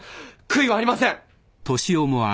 悔いはありません！